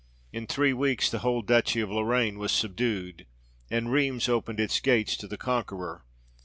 In three weeks the whole duchy of Lorraine was subdued ; and Rheims opened its gates to the conqueror.